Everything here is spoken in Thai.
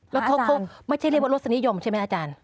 แล้วเขาไม่ใช่เรียกว่ารสนิยมใช่ไหมอาจารย์